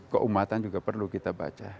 keumatan juga perlu kita baca